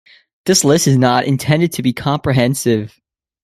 This list is not intended to be comprehensive.